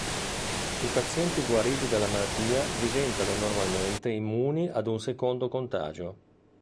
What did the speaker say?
I pazienti guariti dalla malattia diventano normalmente immuni a un secondo contagio.